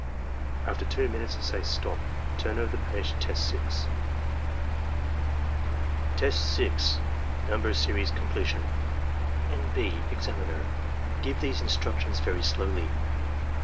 After 2 minutes, say " STOP ! Turn over the page to Test 6." Test 6. — ^Number Series Completion (N. B. Examiner, — Give these instructions very slowly.)